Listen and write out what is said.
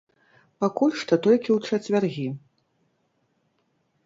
Пакуль што толькі ў чацвяргі.